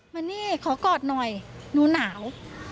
มานี่ขอกอดหน่อยหนูหนาว